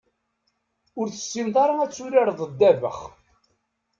Ur tessineḍ ara ad turareḍ ddabex.